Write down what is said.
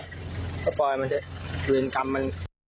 ก็ปล่อยมันได้เหลือนกรรมมัน